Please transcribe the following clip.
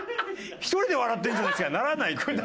「１人で笑ってるじゃないですか」にならないって。